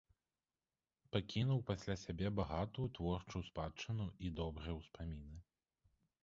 Пакінуў пасля сябе багатую творчую спадчыну і добрыя ўспаміны.